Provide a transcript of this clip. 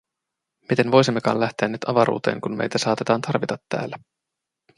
Miten voisimmekaan lähteä nyt avaruuteen, kun meitä saatetaan tarvita täällä?